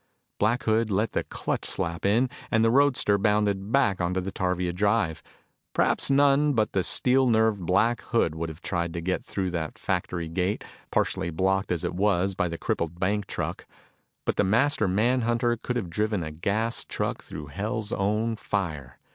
Black Hood let the clutch slap in and the roadster bounded back onto the tarvia drive. Perhaps none but the steel nerved Black Hood would have tried to get through that factory gate, partially blocked as it was by the crippled bank truck. But the master manhunter could have driven a gas truck through Hell's own fire.